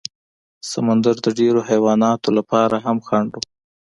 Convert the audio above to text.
سمندر د ډېرو حیواناتو لپاره هم خنډ و.